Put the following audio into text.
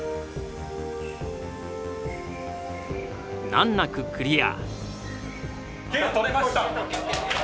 難なくクリア。